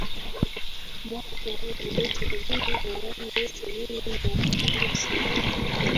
mwaka huo sabini na nane sabini na tisa